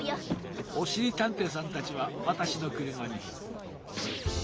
おしりたんていさんたちはわたしのくるまに。